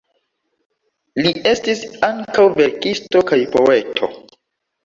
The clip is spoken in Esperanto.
Li estis ankaŭ verkisto kaj poeto.